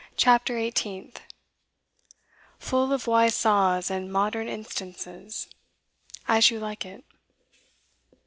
CHAPTER EIGHTEENTH. Full of wise saws and modern instances. As You Like It.